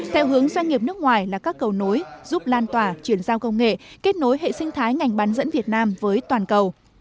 theo hướng doanh nghiệp nước ngoài là các cầu nối giúp lan tỏa chuyển giao công nghệ kết nối hệ sinh thái ngành bán dẫn việt nam với toàn cầu